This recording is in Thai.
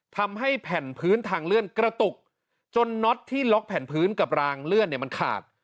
ทำให้แผ่นพื้นทางเลื่อนกระตุกจนน็อตที่ล็อกแผ่นพื้นกับรางเลื่อนเนี่ยมันขาด